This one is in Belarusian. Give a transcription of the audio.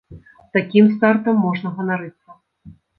Такім стартам можна ганарыцца.